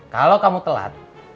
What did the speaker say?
kalau kamu telat